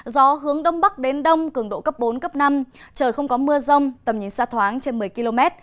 gió hướng đông bắc đến đông cường độ cấp bốn cấp năm trời không có mưa rông tầm nhìn xa thoáng trên một mươi km